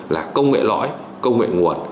là công nghệ lõi công nghệ nguồn